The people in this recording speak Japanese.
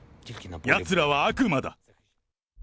やつらは悪魔だ。